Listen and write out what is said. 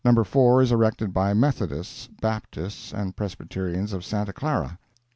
4 is erected by Methodists, Baptists and Presbyterians of Santa Clara; No.